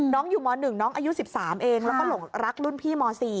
อยู่ม๑น้องอายุ๑๓เองแล้วก็หลงรักรุ่นพี่ม๔